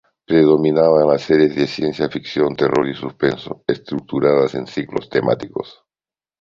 Predominaban las series de ciencia ficción, terror y suspenso, estructuradas en ciclos temáticos.